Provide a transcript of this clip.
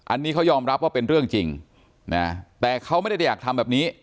อันนี้เขายอมรับว่าเป็นเรื่องจริงนะแต่เขาไม่ได้อยากทำแบบนี้